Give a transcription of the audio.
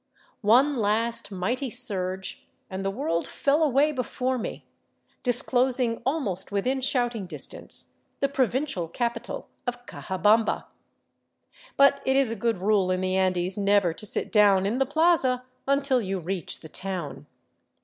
One last mighty surge and the world fell away be fore me, disclosing almost within shouting distance the provincial capi tal of Cajabamba. But it is a good rule in the Andes never to sit down in the plaza until you reach the town.